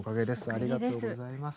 ありがとうございます。